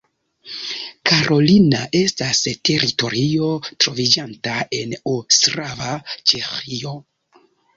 Karolina estas teritorio troviĝanta en Ostrava, Ĉeĥio.